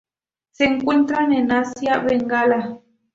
Se encuentran en Asia: Bengala.